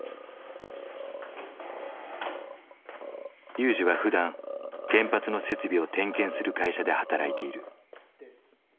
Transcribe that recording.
ＲＹＵＪＩはふだん原発の設備を点検する会社で働いている。